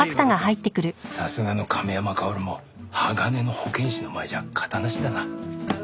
さすがの亀山薫も鋼の保健師の前じゃ形なしだな。